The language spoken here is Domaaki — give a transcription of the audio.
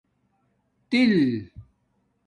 تَل